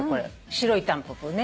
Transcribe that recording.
白いタンポポね。